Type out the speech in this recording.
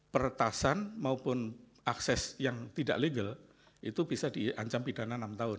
peretasan maupun akses yang tidak legal itu bisa diancam pidana enam tahun